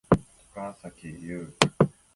高咲侑